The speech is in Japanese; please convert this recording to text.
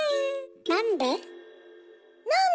なんで？